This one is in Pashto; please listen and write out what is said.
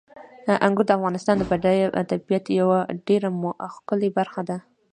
انګور د افغانستان د بډایه طبیعت یوه ډېره ښکلې برخه ده.